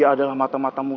aku akan lakukan untukmu